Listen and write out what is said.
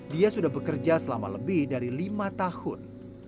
dia sudah bekerja selama lebih dari lima tahun